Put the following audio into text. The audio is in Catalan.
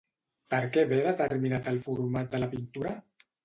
Per què ve determinat el format de la pintura?